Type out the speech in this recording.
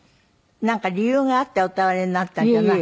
なんか理由があってお倒れになったんじゃないの？